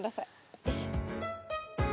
よいしょ。